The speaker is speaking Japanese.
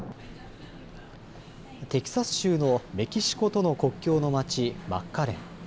テキサス州のメキシコとの国境の町、マッカレン。